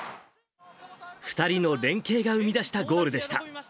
２人の連携が生み出したゴールでした。